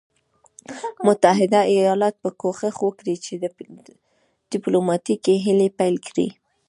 متحده ایالات به کوښښ وکړي چې ډیپلوماټیکي هلې پیل کړي.